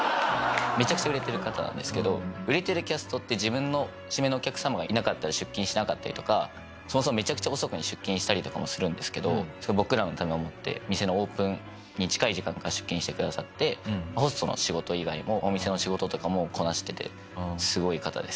めちゃくちゃ売れてる方なんですけど売れてるキャストって自分の指名のお客様がいなかったら出勤しなかったりとかそもそもめちゃくちゃ遅くに出勤したりとかもするんですけど僕らのためを思って店のオープンに近い時間から出勤してくださってホストの仕事以外にもお店の仕事とかもこなしていてすごい方です。